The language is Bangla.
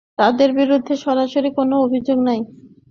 তাঁদের বিরুদ্ধে সরাসরি কোনো অভিযোগও নেই।